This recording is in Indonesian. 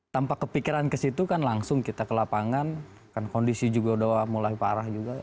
tanpa kepikiran ke situ kan langsung kita ke lapangan kan kondisi juga sudah mulai parah juga